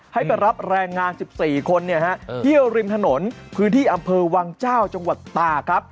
ให้ไปรับแรงงาน๑๔คนเที่ยวริมถนนพื้นที่อำเภอวังเจ้าจังหวัดตากครับ